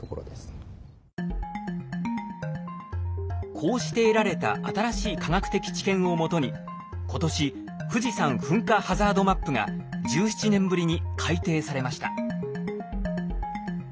こうして得られた新しい科学的知見をもとに今年富士山噴火ハザードマップが１７年ぶりに改定されました。